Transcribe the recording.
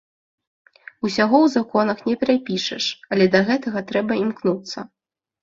Усяго ў законах не прапішаш, але да гэтага трэба імкнуцца.